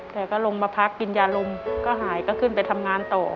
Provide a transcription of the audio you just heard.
แกก็ลงมาพักกินยาลมก็หายก็ขึ้นไปทำงานต่อ